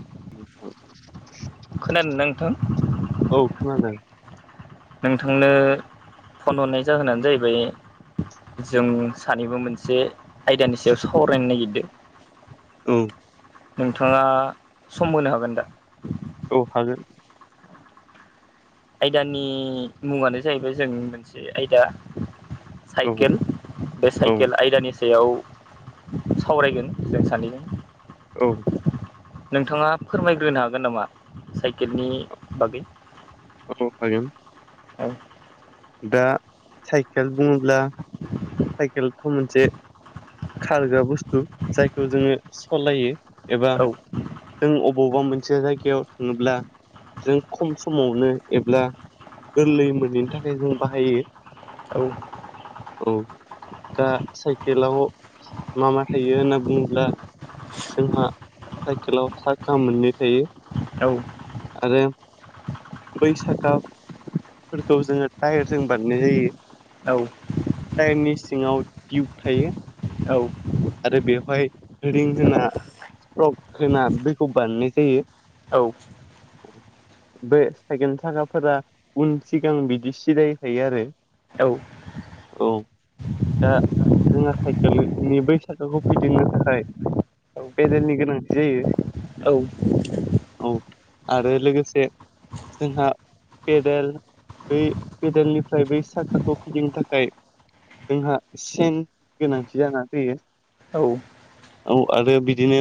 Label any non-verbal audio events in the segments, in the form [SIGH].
[INAUDIBLE] खोनादोंना नोंथां औ खोनादों नोंथांनो फन हरनाय जाहोनानो जाहैबाय जों सानैबो मोनसे आयदानि सायाव सावरायनो नागिरदों। औ। नोंथाङा सम होनो हागोन दा? औ हागोन। आयदानि मुङानो जाहैबाय जों मोनसे आयदा औ साइकेल बे औ साइकेल आयदानि सायाव सावरायगोन जों सानैजों। औ। नोंथाङा फोरमायग्रोनो हागोन नामा साइकेलनि बागै? औ हागोन। औ। दा साइकेल बुङोब्ला साइकेलाथ' मोनसे खारग्रा बुस्थु जायखौ जोङो सलायो एबा औ जों अबावबा मोन से जायगायाव थाङोब्ला जों खम समावनो एब्ला गोरलैयैनो मोनहैनि थाखाय जों बाहायो औ औ। दा साइकेलाव मा मा थायो होनना बुङोब्ला जोंहा साइकेलाव साखा मोननै थायो औ आरो बै साखाफोरखौ जोङो टायारजों बानायनाय जायो। औ। बेनि सिङाव टियुब थायो औ। आरो बेवहाय रिं होना स्प्रक होना बेखौ बानायनाय जायो। औ बे सायखेलनि साखाफोरा उन सिगां बिदि सिदायै थायो आरो। औ औ दा जोंहा साइकेलनि बै साखाखौ फिदिंनो थाखाय पेदेलनि गोनांथि जायो। औ। औ आरो लोगोसे जोंहा पेदेल बै पेदेलनिफ्राय बै साखाखौ फिदिंनो थाखाय जोंहा सेन गोनांथि जानानै फैयो। औ। औ आरो बिदिनो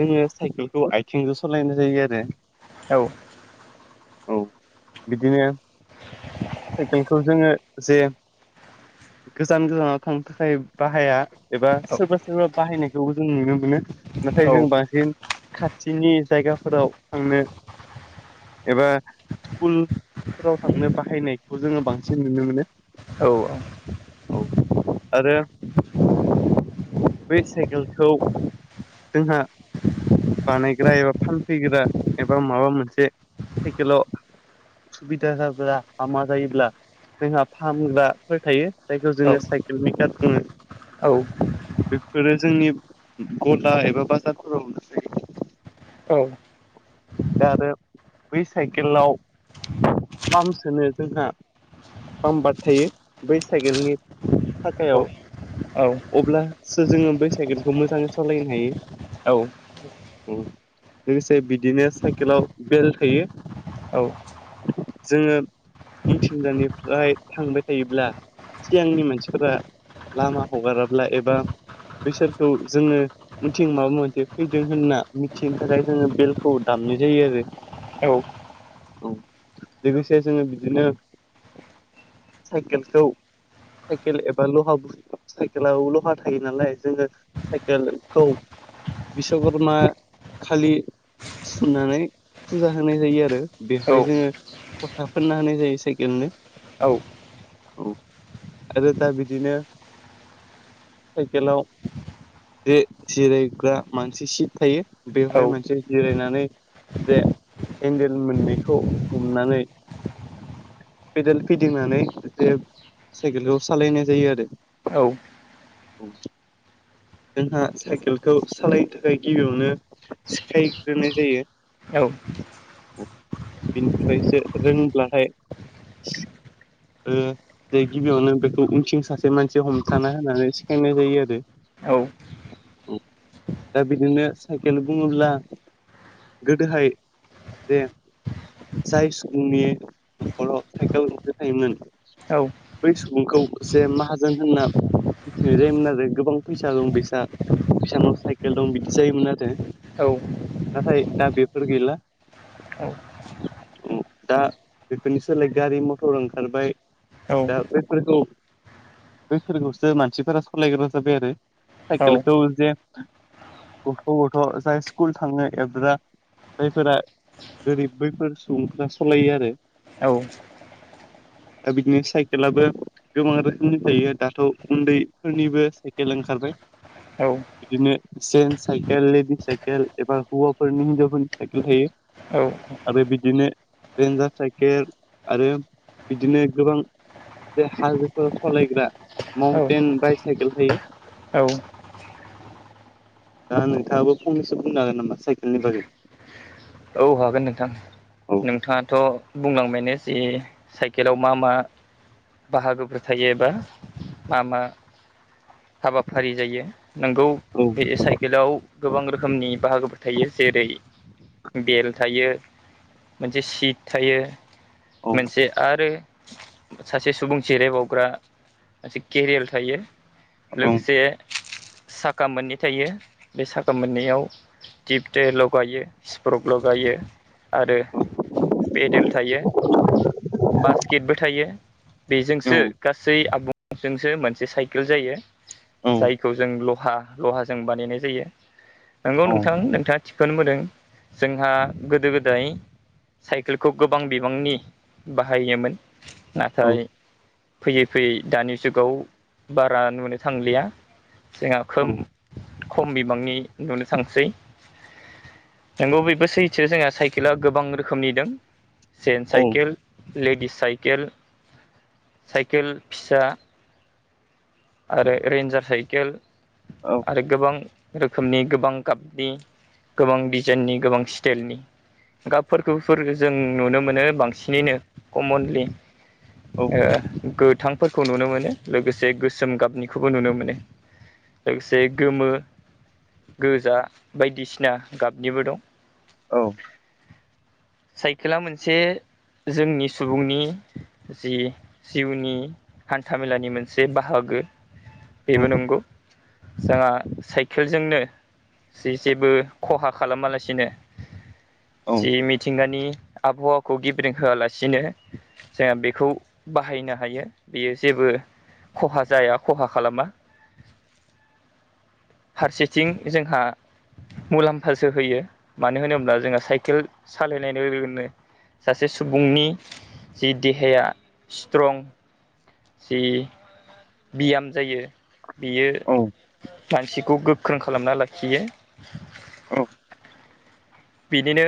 जोङो साइकेलखौ आथिंजों सालायनाय जायो आरो। औ बिदिनो‌ साइकेलखौ जोङो जे गोजान गोजानाव थांनो थाखाय बाहाया एबा सोरबा सोरबा बाहायनायखौबो जों नुनो मोनो नाथाय औ जों बांसिन खाथिनि जायगाफोराव थांनो एबा स्कुलफोराव थांनो बाहायनायखौ जोङो बांसिन नुनो मोनो। औ औ। औ आरो बे साइकेलखौ जोंहा बानायग्रा एबा फानफैग्रा एबा माबा मोनसे साइकेलाव‌ उसुबिदा जाब्ला हामा जायोब्ला जोंहा फाहामग्राफोर थायो जायखौ जोङो साइकेल मेकार बुङो। औ बेफोरो जोंनि गला एबा बाजारफोराव औ [UNINTELLIGIBLE] आरो बै साइकेलाव पाम्सोनो जोंहा पाम्बाद थायो बै साइकेलनि औ साखायाव औ अब्ला‌ सो‌ जोङो बेै साइकेलखौ मोजाङै सालायनो हायो। औ लोगोसे बिदिनो साइकेलाव बेल्ट थायो। जोङो उनथिंजानिफ्राय थांबाय थायोब्ला सिगांनि मानसिफोरा लामा हगाराब्ला एबा बिसोरखौ जोङो मिथिं माबा मोनसे फैदों होनना मिथिनो थाखाय जोङो बेलखौ दामनाय जायो आरो औ लोगोसे जोङो बिदिनो साइकेलखौ साइकेल एबा लहा बस् साइकेलबो लहा थायो नालाय जोङो साइकेलखौ बिस्कर्मा खालि सुननानै फुजा होनाय जायो आरो बेवहाय जोङो‌ फथाफोरना होनाय जायो साइकेलनो। औ‌ आरो दा बिदिनो साइकेलाव जे जिरायग्रा मानसि सिद थायो बेवहाय मोनसे जेराद ज एन्देल मोननैखौ हमनानै पेदेल फिदिंनानै जे साइकेलखौ सालायनाय जायो आरो। औ। जोंहा साइकेलखौ सालायनो थाखाय गिबियावनो सिखायग्रोनाय जायो। ओ। बिनिफ्रायसो रोंब्लाथाय ओ जे गिबियावनो बेखौ उंथिं सासे मानसि हमथाना होननानै सिखायनाय जायो आरो। औ। दा बिदिनो साइकेल बुङोब्ला गोदोहाय जे जाय सुबुंनि न'खराव साइकेल गंसे थायोमोन औ। नोंखौ एसे माहाजोन होनना मिथिनाय जायोमोन आरो गोबां फैसा दं बिसा बिसानाव साइकेल दं बिदि जायोमोन आरो। औ। नाथाय दा बेफोर गैला। दा बेफोरनि सोलाय गारि मथर ओंखारबाय [INAUDIBLE] बैफोरखौसो मानसिफोरा सालायग्रा जाबाय आरो साइकेलखौ जे गथ' गथ' जाय स्कुल थाङो एबा जायफोरा गोरिब बैफोर सुबुंफोरा सालायो आरो। औ। दा बिदिनो साइकेलाबो गोबां रोखोमनि थायो दाथ' उन्दै उन्दैनिबो साइकेल ओंखार बाय बिदिनो जेन्स साइकेल लेडिस साइकेल एबा हौवाफोरनि हिनजावफोर साइकेल थायो। आरो बिदिनो रेन्जार साइकेल आरो बिदिनो गोबां बे हाइवेफोराव सालायग्रा माउन्टेन बायसाइकेल औ थायो। दा नोंथाङाबो फंनैसो बुंनो हागोन नामा साइकेलनि बागै? औ हागोन नोंथां। औ नोंथाङाथ' बुंलांबायनो जि साइकेलाव मा मा बाहागोफोर थायो एबा मा मा हाबाफारि जायो। नंगौ औ बे साइकेलाव गोबां रोखोमनि बाहागोफोर थायो। जेरै बेल थायो मोनसे सिट थायो औ मोनसे आरो सासे सुबुं जिरायबावग्रा मोनसे केरियार थायो। औ लोगोसे साखा मोननै थायो। बे साका मोननैयाव टिउब टायार लागायो स्फ्रक लगायो आरो पेडेल थायो, बास्केटबो थायो। बेजोंसो गासै आबुंजोंसो मोनसे साइकेल जायो। औ जायखौ जों लहा लहाजों बानायनाय जायो। नंगौ औ नोंथां नोंथाङा थिग खौनो बुंदों। जोंहा गोदो गोदाय साइकेलखौ गोबां बिबांनि बाहायोमोन। औ नाथाय फैयै फैयै दानि जुगाव बारा नुनो थांलिया। जोंहा औ खोब खम बिबांनि नुनो थांसै। नंगौ बेबो सैथो जोंहा साइकेला गोबां रोखोमनि दं। जेन्स औ साइकेल लेडिस साइकेल, साइकेल फिसा आरो रेन्जार साइकेल आरो गोबां रोखोमनि गोबां गाबनि गोबां डिजाइननि गोबां स्टाइलनि गाबफोरखौफोर जों नुनो मोनो बांसिनैनो कमनलि ओ गोथांफोरखौ नुनो मोनो। लोगोसे गो सोम गाबनिखौबो नुनो मोनो। लोगोसे गोमो गोजा बायदिसिना गाबनिबो दं। औ। साइकेला मोनसे जोंनि सुबुंनि जि जिउनि हान्थामेलानि मोनसे बाहागो बे बेबो नंगौ। जोंहा साइकेलजोंनो जि जेबो खहा खालामालासिनो औ औ जि मिथिंगानि आबहावाखौ गेब्रें होआलासिनो जोंहा बेखौ बाहायनो हायो। बेयो जेबो खहा जाया खहा खालामा। फारसेथिं जोंहा मुलाम्फासो होयो मानो होनोब्ला जोंहा साइकेल सालायनाय लोगोनो सासे सुबुंनि जि देहाया स्ट्रं जि बियाम जायो बियो औ गासिखौ गो ख्रों खालामना लाखियो। औ बिदिनो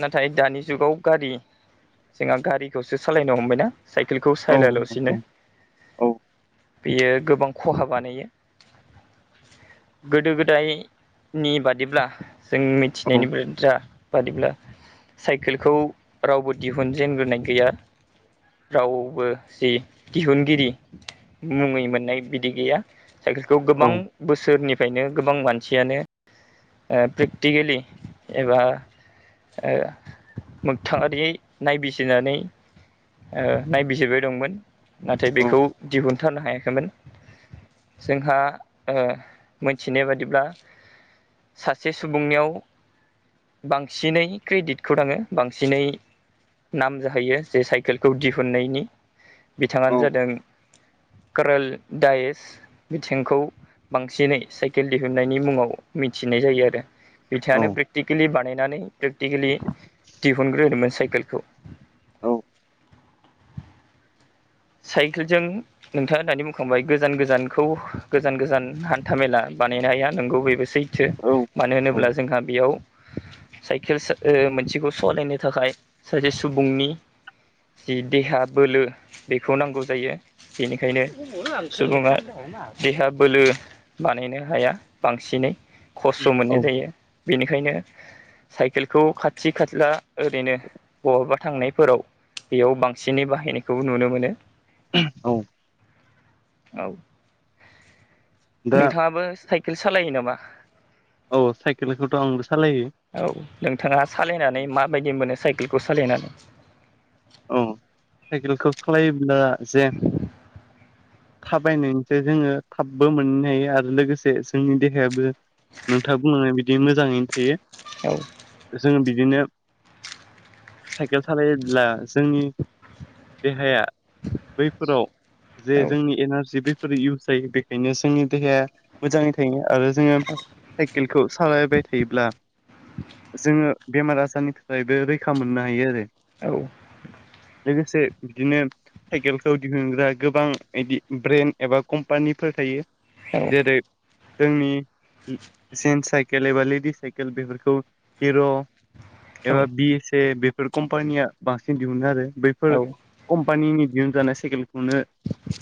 नाथाय दानि जुगाव गारि जोंहा गारिखौसो सालायनो हमबायना साइकेलखौ औ सायलायाला'सिनो नंगौ औ बेयो गोबां खहा बानायो। गोदो गोदायनि बादिब्ला जों मिथिनायनि औ बाथ्रा बादिब्ला साइकेलखौ रावबो दिहुनजेनग्रोनाय गैया। रावबो जि दिहुनगिरि मुङै मोननाय बिदि गैया साइकेलखौ औ गोबां बोसोरनि फ्रायनो गोबां मानसियानो प्रेक्टिकेलि एबा मोगथाङारियै नायबिजिरनानै नायबिजिरबाय दंमोन नाथाय औ बेखौ दिहुनथारनो हायाखैमोन। जोंहा मोनथिनाय बादिब्ला सासे सुबुंनियाव बांसिनै क्रेडिटखौ आङो बांसिनै नाम जाहैयो जे साइकेलखौ दिहुननायनि बिथाङानो जादों। कारेल दायस बिथिंखौ बांसिनै साइकेल दिहुननायनि मुङाव मिथिनाय जायो आरो औ बिथाङानो प्रेकटिकेलि बानायनानै प्रेकटिकेलि दिहुनग्रोदोंमोन साइ खेलखौ साइकेलजों नोंथाङा दानि बुंखांबाय गोजान गोजानखौ गोजान गोजान हान्था मेला बानायनो हाया नोंगौ बबो सैथो औ मानो होनोब्ला जोंहा बेयाव साइकेल मोनसेखौ सालायनो थाखाय सासे सुबुंनि जिदि हाबोलो बेखौ नांगौ जायो बेनिखायनो सुबुङा देहा बोलो बानाय नो हाया बांसिनै खस्थ' औ मोननाय जायो बेनिखायनो साइकेलखौ खाथि खाथिला ओरैनो बहाबा थांनायफोराव बेयाव बांसिनै बाहायनायखौबो नुनो मोनो। औ औ दा नोंथाङाबो साइकेल सालायो नामा? औ साइकेलखौथ' आंबो सालायो औ नोंथाङा सालायनानै माबायदि मोनो साइकेलखौ सालायनानै औ साइकेलखौ सालायोब्ला जे थाबायनायस जोङो थाबबो मोननो हायो आरो लोगोसे जोंनि देहायाबो नोंथाङा बुंङो बिदि मोजाङैनो थायो। औ जों बिदिनो साइकेल सालायोब्ला जोंनि देहाया बैफोराव औ जे जोंनि एनारजि बेफोर इउस जायो बेखायनो जोंनि देहाया मोजाङै थायो। आरो जोङो साइकेलखौ सालायबाय थायोब्ला जोङो बेमार आजारनिफ्रायबो रैखा मोननो हायो आरो। औ लोगोसे बिदिनो साइकेलखौ दिहुनग्रा गोबां बिदि ब्रेन्ड एबा कम्पानिफोर थायो। औ जेरै जोंनि जेन्स साइकेल एबा लेडिस साइकेल बेफोरखौ हिर' औ एबा बिएस ए बेफोर कम्पानिया बांसिन दिहुनो आरो बैफोर औ कम्पानिनि दिहुनजानाय साइकेलखौनो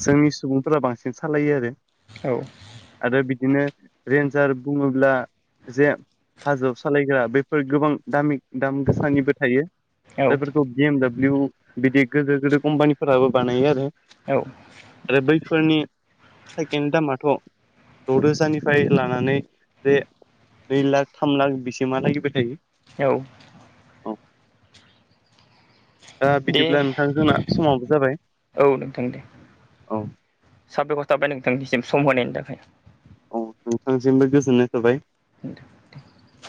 जोंनि सुबुंफोरा बांसिन सालायो आरो औ आरो बिदिनो रेन्जार बुङोब्ला जे हाजोआव सालायग्रा बेफोर गोबां दामि दाम गोसानिबो थायो। औ जायफोरखौ बि एम डाब्लिउ बिदि गोदिर गोदिर कम्पानिफोराबो बानायो आरो औ आरो बैफोरनि साइकेलनि दामाथ' द'रोजानिफ्राय लानानै बे नै लाख थाम लाख बेसिमहालागैबो थायो। औ औ दा दे बिदिब्ला नोंथां जोंना समाबो जाबाय औ नोंथां दे औ साबायखर थाबाय नोंथांनिसिम सम होनायनि थाखाय। औ नोंथांसिमबो गोजोननाय थाबाय। दे दे।